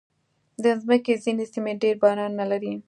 د مځکې ځینې سیمې ډېر بارانونه لري.